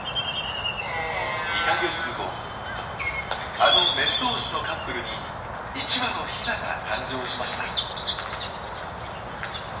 あのメスどうしのカップルに１羽のヒナが誕生しました。